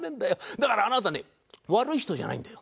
だからあなたね悪い人じゃないんだよ。